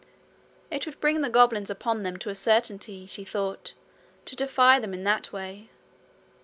It would bring the goblins upon them to a certainty, she thought, to defy them in that way.